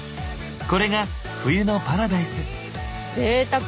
これが冬のパラダイス。